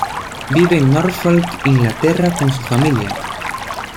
Vive en Norfolk, Inglaterra con su familia.